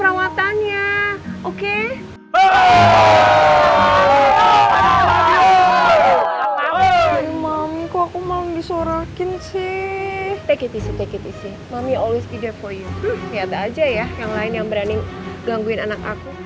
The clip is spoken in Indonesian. lihat aja ya yang lain yang berani gangguin anak aku